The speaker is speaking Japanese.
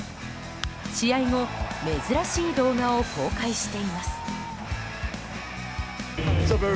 試合後、珍しい動画を公開しています。